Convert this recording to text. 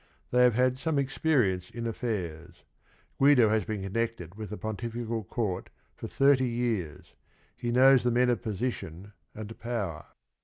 They have had some ex perience in affairs. Guido has been connected with the pontifical court for thirty years; he knows the men of position and power.